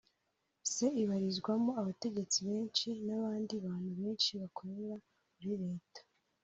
C ibarizwamo abategetsi benshi n’abandi bantu benshi bakora muri Leta